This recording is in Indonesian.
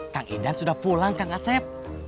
kang idam sudah pulang kang asep